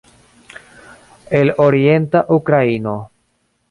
El orienta Ukraino